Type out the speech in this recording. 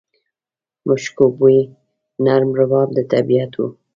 مشکو بوی، نرم رباب د طبیعت و